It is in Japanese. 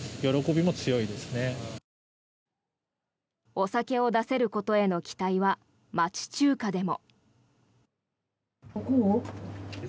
お酒を出せることへの期待は町中華でも。